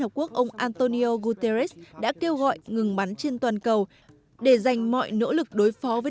hợp quốc ông antonio guterres đã kêu gọi ngừng bắn trên toàn cầu để dành mọi nỗ lực đối phó với